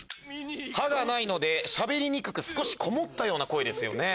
歯がないのでしゃべりにくく少しこもったような声ですね。